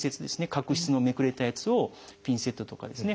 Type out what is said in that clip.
角質のめくれたやつをピンセットとかですね